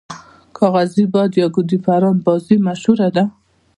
کاغذی باد یا ګوډی پران بازی مشهوره ده.